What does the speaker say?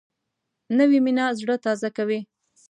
نوې مینه زړه تازه کوي